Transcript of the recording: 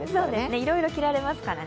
いろいろ着られますからね。